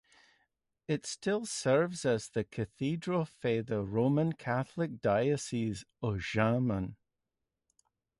It still serves as the cathedral for the Roman Catholic Diocese of Xiamen.